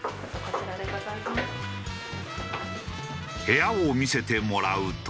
部屋を見せてもらうと。